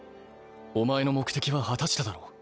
お前の目的は果たしただろ？